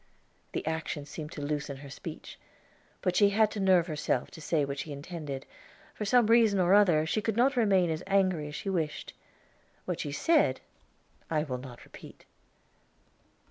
'" The action seemed to loosen her speech; but she had to nerve herself to say what she intended; for some reason or other, she could not remain as angry as she wished. What she said I will not repeat.